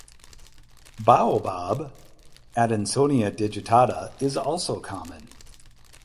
Baobab "(Adansonia digitata)" is also common.